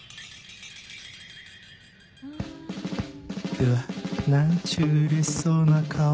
うわ何ちゅううれしそうな顔